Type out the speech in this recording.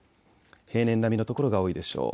平年並みの所が多いでしょう。